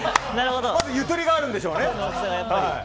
まだゆとりがあるんでしょうね。